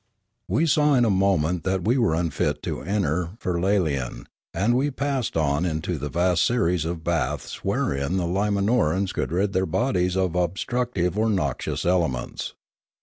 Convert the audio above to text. We saw in a moment that we were unfit to enter Fir lalain, and we passed on into the vast series of baths wherein the Limanorans could rid their bodies of ob structive or noxious elements.